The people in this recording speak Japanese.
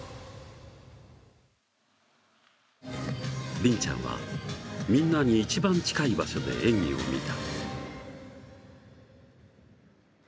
りんちゃんは、みんなに一番近い場所で演技を見た。